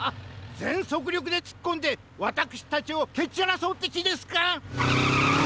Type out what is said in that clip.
ぜんそくりょくでつっこんでわたくしたちをけちらそうってきですか！